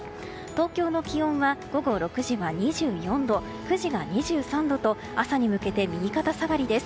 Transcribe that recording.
東京の気温は午後６時は２４度９時が２３度と朝に向けて右肩下がりです。